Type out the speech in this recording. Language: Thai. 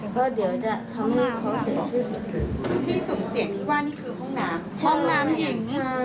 ก็เดี๋ยวจะที่สุ่มเสี่ยงที่ว่านี่คือห้องน้ำห้องน้ำหญิงใช่